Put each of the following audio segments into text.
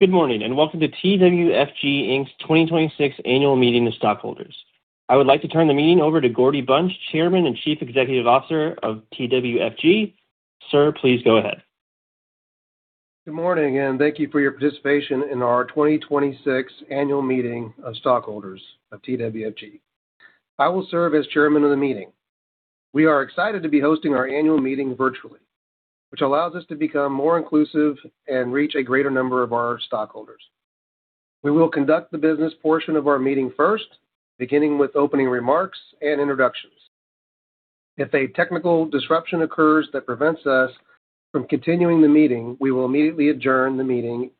Good morning, and welcome to TWFG Inc's 2026 Annual Meeting of Stockholders. I would like to turn the meeting over to Gordy Bunch, Chairman and Chief Executive Officer of TWFG. Sir, please go ahead. Good morning, and thank you for your participation in our 2026 annual meeting of stockholders of TWFG. I will serve as Chairman of the meeting. We are excited to be hosting our annual meeting virtually, which allows us to become more inclusive and reach a greater number of our stockholders. We will conduct the business portion of our meeting first, beginning with opening remarks and introductions. If a technical disruption occurs that prevents us from continuing the meeting, we will immediately adjourn the meeting,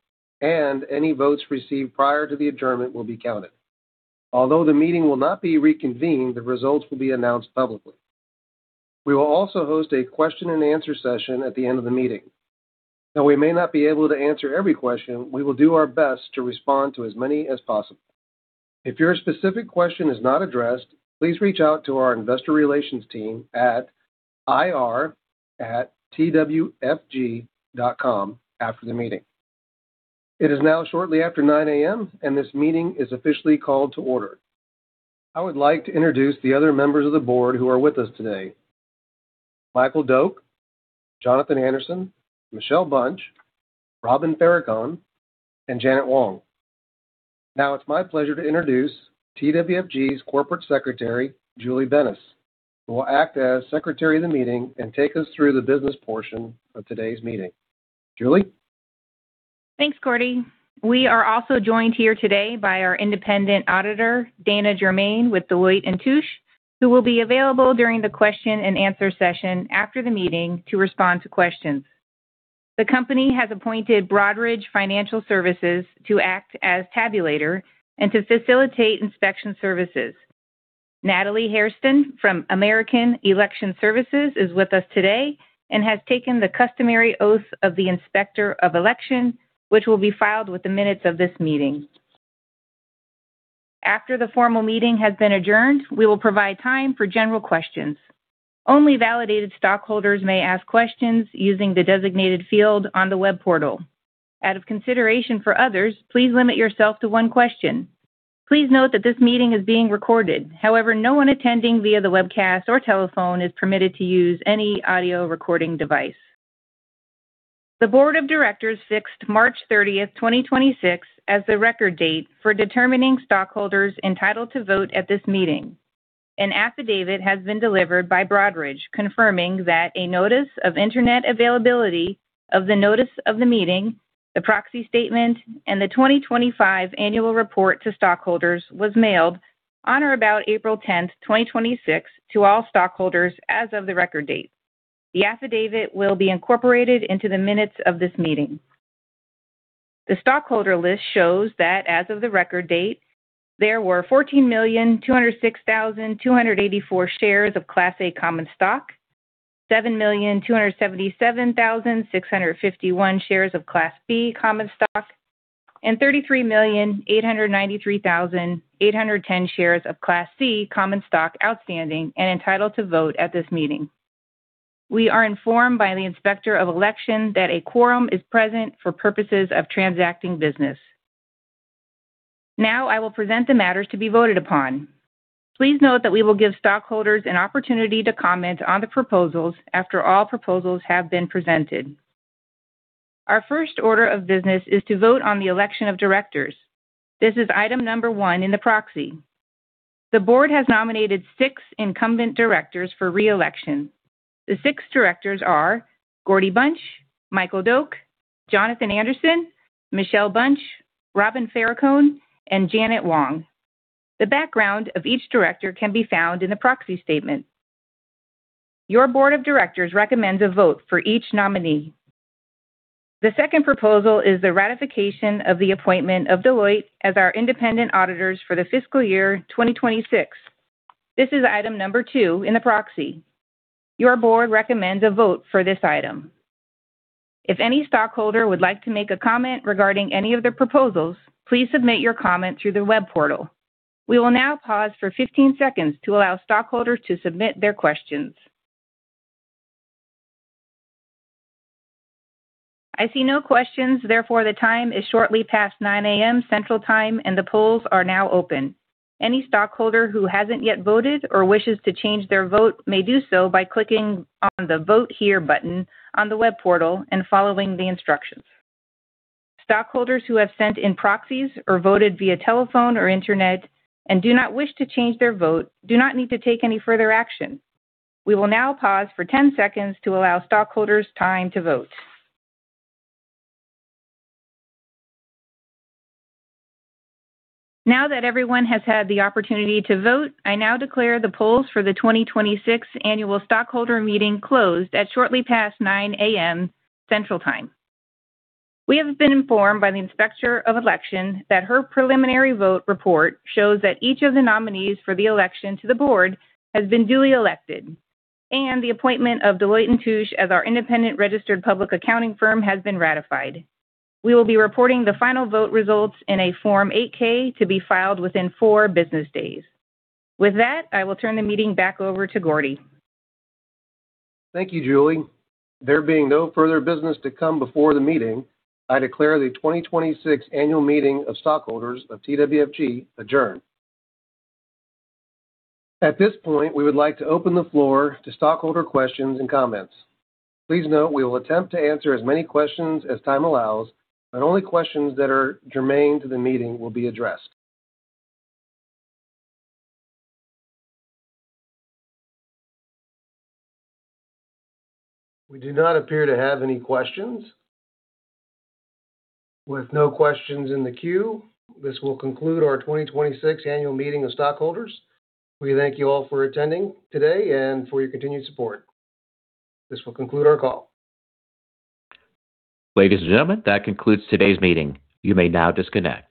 and any votes received prior to the adjournment will be counted. Although the meeting will not be reconvened, the results will be announced publicly. We will also host a question-and-answer session at the end of the meeting. Though we may not be able to answer every question, we will do our best to respond to as many as possible. If your specific question is not addressed, please reach out to our investor relations team at ir@twfg.com after the meeting. It is now shortly after 9:00 A.M., and this meeting is officially called to order. I would like to introduce the other members of the Board who are with us today, Michael Doak, Jonathan Anderson, Michelle Bunch, Robin Ferracone, and Janet Wong. Now it's my pleasure to introduce TWFG's corporate secretary, Julie Benes, who will act as secretary of the meeting and take us through the business portion of today's meeting. Julie? Thanks, Gordy. We are also joined here today by our independent auditor, Dana Jermain, with Deloitte & Touche, who will be available during the question and answer session after the meeting to respond to questions. The company has appointed Broadridge Financial Solutions to act as tabulator and to facilitate inspection services. Natalie Hairston from American Election Services is with us today and has taken the customary oath of the Inspector of Election, which will be filed with the minutes of this meeting. After the formal meeting has been adjourned, we will provide time for general questions. Only validated stockholders may ask questions using the designated field on the web portal. Out of consideration for others, please limit yourself to one question. Please note that this meeting is being recorded. However, no one attending via the webcast or telephone is permitted to use any audio recording device. The Board of Directors fixed March 30th, 2026, as the record date for determining stockholders entitled to vote at this meeting. An affidavit has been delivered by Broadridge confirming that a notice of internet availability of the notice of the meeting, the proxy statement, and the 2025 annual report to stockholders was mailed on or about April 10th, 2026, to all stockholders as of the record date. The affidavit will be incorporated into the minutes of this meeting. The stockholder list shows that as of the record date, there were 14,206,284 shares of Class A common stock, 7,277,651 shares of Class B common stock, and 33,893,810 shares of Class C common stock outstanding and entitled to vote at this meeting. We are informed by the Inspector of Election that a quorum is present for purposes of transacting business. Now I will present the matters to be voted upon. Please note that we will give stockholders an opportunity to comment on the proposals after all proposals have been presented. Our first order of business is to vote on the election of Directors. This is item number one in the proxy. The Board has nominated six incumbent Directors for re-election. The six Directors are Gordy Bunch, Michael Doak, Jonathan Anderson, Michelle Bunch, Robin Ferracone, and Janet Wong. The background of each Director can be found in the proxy statement. Your Board of Directors recommends a vote for each nominee. The second proposal is the ratification of the appointment of Deloitte as our independent auditors for the fiscal year 2026. This is item number two in the proxy. Your Board recommends a vote for this item. If any stockholder would like to make a comment regarding any of the proposals, please submit your comment through the web portal. We will now pause for 15 seconds to allow stockholders to submit their questions. I see no questions. The time is shortly past 9:00 A.M. Central Time, and the polls are now open. Any stockholder who hasn't yet voted or wishes to change their vote may do so by clicking on the Vote Here button on the web portal and following the instructions. Stockholders who have sent in proxies or voted via telephone or internet and do not wish to change their vote do not need to take any further action. We will now pause for 10 seconds to allow stockholders time to vote. Now that everyone has had the opportunity to vote, I now declare the polls for the 2026 Annual Stockholder Meeting closed at shortly past 9:00 A.M. Central Time. We have been informed by the Inspector of Election that her preliminary vote report shows that each of the nominees for the election to the Board has been duly elected, and the appointment of Deloitte & Touche as our independent registered public accounting firm has been ratified. We will be reporting the final vote results in a Form 8-K to be filed within four business days. With that, I will turn the meeting back over to Gordy. Thank you, Julie. There being no further business to come before the meeting, I declare the 2026 Annual Meeting of Stockholders of TWFG adjourned. At this point, we would like to open the floor to stockholder questions and comments. Please note we will attempt to answer as many questions as time allows, but only questions that are germane to the meeting will be addressed. We do not appear to have any questions. With no questions in the queue, this will conclude our 2026 Annual Meeting of Stockholders. We thank you all for attending today and for your continued support. This will conclude our call. Ladies and gentlemen, that concludes today's meeting. You may now disconnect.